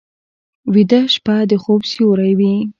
ویده شپه د خوب سیوری وي